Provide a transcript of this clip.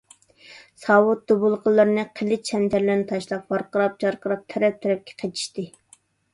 ساۋۇت - دۇبۇلغىلىرىنى، قىلىچ - شەمشەرلىرىنى تاشلاپ، ۋارقىراپ - جارقىراپ تەرەپ - تەرەپكە قېچىشتى.